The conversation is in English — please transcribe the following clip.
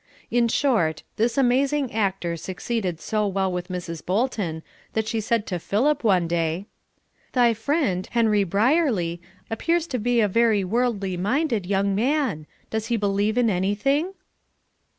In short, this amazing actor succeeded so well with Mrs. Bolton, that she said to Philip one day, "Thy friend, Henry Brierly, appears to be a very worldly minded young man. Does he believe in anything?"